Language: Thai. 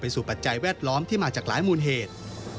สู่ปัจจัยแวดล้อมที่มาจากหลายมูลเหตุ